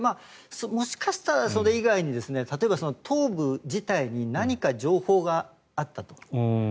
もしかしたら、それ以外に例えば、頭部自体に何か情報があったと。